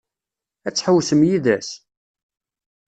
Ad tḥewwsem yid-s?